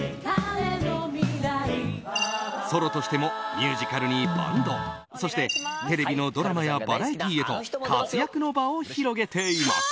ソロとしてもミュージカルにバンドそして、テレビのドラマやバラエティーへと活躍の場を広げています。